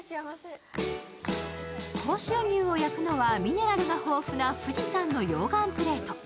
甲州牛を焼くのは、ミネラルが豊富な富士山の溶岩プレート。